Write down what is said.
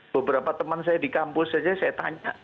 beberapa teman saya di kampus saja saya tanya